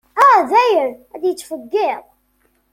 A dayen ad yettfeggiḍ.